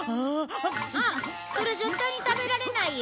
あっそれ絶対に食べられないよ。